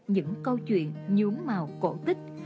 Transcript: những câu chuyện nhuống màu cổ tích